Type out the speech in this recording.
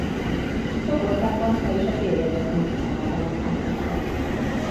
Sok országban ma is a férjezett nők számára van fenntartva.